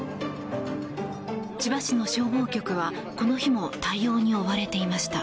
千葉市の消防局は、この日も対応に追われていました。